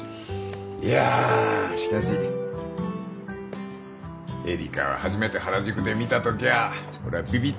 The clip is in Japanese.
いやしかしえりかを初めて原宿で見た時は俺はビビッときたんだよ。